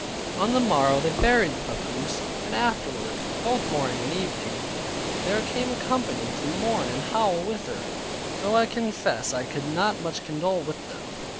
On the morrow they buried the papoose, and afterward, both morning and evening, there came a company to mourn and howl with her; though I confess I could not much condole with them.